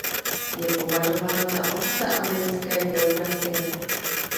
Je považován za "„otce americké geografie“".